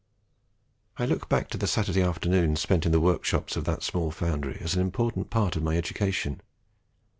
I look back to the Saturday afternoons spent in the workshops of that small foundry, as an important part of my education.